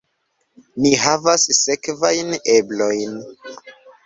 Ni havas sekvajn eblojn.